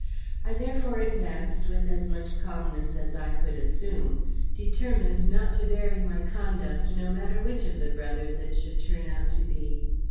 I therefore advanced with as much calmness as I could assume, determined not to vary my conduct, no matter which of the brothers it should turn out to be.